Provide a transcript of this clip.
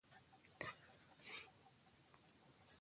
پښتون، پښتنه، پښتانه، پښتونولي، پښتونولۍ